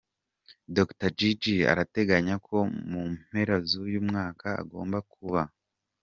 Dr Jiji arateganya ko mu mpera zuyu mwaka agomba kuba.